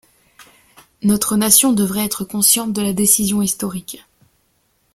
Notre nation devrait être consciente de la décision historique.